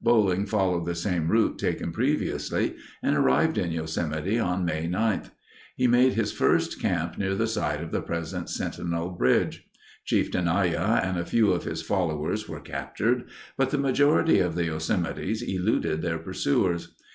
Boling followed the same route taken previously and arrived in Yosemite on May 9. He made his first camp near the site of the present Sentinel Bridge. Chief Tenaya and a few of his followers were captured, but the majority of the Yosemites eluded their pursuers.